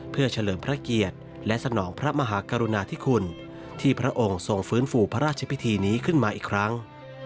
เพื่อเฉลิมพระเกียรติและสนองพระมหากรุณาธิคุณที่พระองค์ทรงฟื้นฟูพระราชพิธีนี้ขึ้นมาอีกครั้ง